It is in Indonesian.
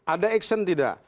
ada aksi tidak